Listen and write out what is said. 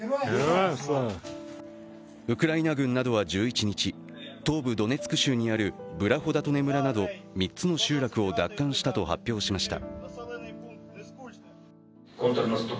ウクライナ軍などは１１日、東部ドネツク州にあるブラホダトネ村など３つの集落を奪還したと発表しました。